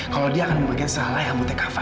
kalau dia akan membagian selalai amputai kafa